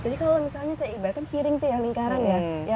jadi kalau misalnya saya ibaratkan piring tuh ya lingkaran ya